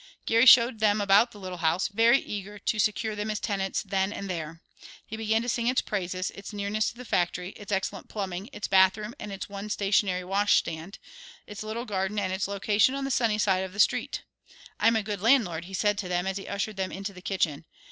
Geary showed them about the little house, very eager to secure them as tenants then and there. He began to sing its praises, its nearness to the factory, its excellent plumbing, its bathroom and its one stationary washstand; its little garden and its location on the sunny side of the street. "I'm a good landlord," he said to them, as he ushered them into the kitchen.